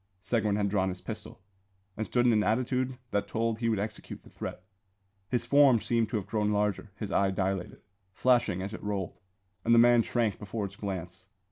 Seguin had drawn his pistol, and stood in an attitude that told he would execute the threat. His form seemed to have grown larger; his eye dilated, flashing as it rolled, and the man shrank before its glance.